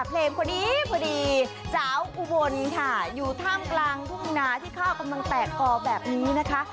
เพลงพอดีพอดีสาวอุบลค่ะอยู่ท่ามกลางทุ่งนาที่ข้าวกำลังแตกกอแบบนี้นะคะ